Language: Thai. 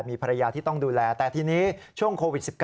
มีภรรยาที่ต้องดูแลแต่ทีนี้ช่วงโควิด๑๙